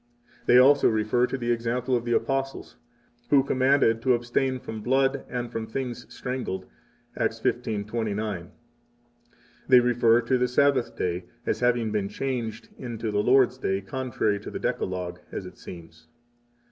32 They also refer to the example of the Apostles, who commanded to abstain from blood and from things strangled, Acts 15:29. 33 They refer to the Sabbath day as having been changed into the Lord's Day, contrary to the Decalog, as it seems.